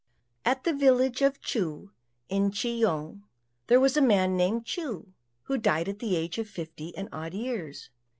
At the village of Chu in Chi yang, there was a man named Chu, who died at the age of fifty and odd years.